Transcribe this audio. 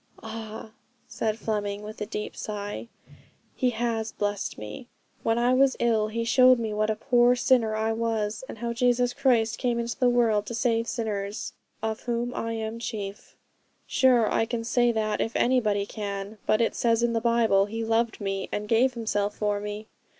'Ah!' said Fleming, with a deep sigh, 'He has blessed me. When I was ill He showed me what a poor sinner I was, and how Jesus Christ came into the world to save sinners, "of whom I am chief." Sure I can say that if anybody can. But it says in the Bible, "He loved me, and gave Himself for me."